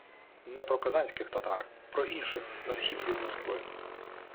не про казанських татар – про інших на схід від Москви